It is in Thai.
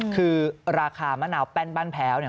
คือราคามะนาวแป้นบ้านแพ้วเนี่ย